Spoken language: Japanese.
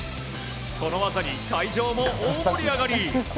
この技に会場も大盛り上がり。